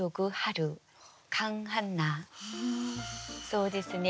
そうですね。